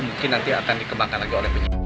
mungkin nanti akan dikembangkan lagi oleh penyidik